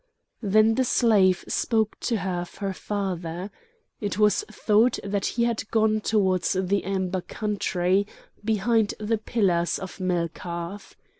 Then the slave spoke to her of her father. It was thought that he had gone towards the amber country, behind the pillars of Melkarth.